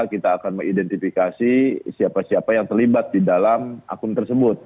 kita akan mengidentifikasi siapa siapa yang terlibat di dalam akun tersebut